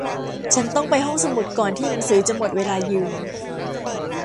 ฉันต้องไปห้องสมุดก่อนที่หนังสือจะหมดเวลายืม